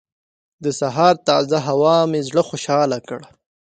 د سهار تازه هوا مې زړه خوشحاله کړ.